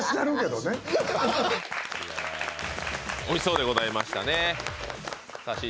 おいしそうでございましたね。